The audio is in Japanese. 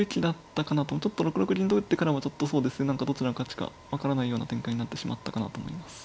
ちょっと６六銀と打ってからはちょっとそうですね何かどちらの勝ちか分からないような展開になってしまったかなと思います。